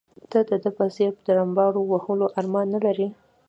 ته د ده په څېر د رمباړو وهلو ارمان نه لرې.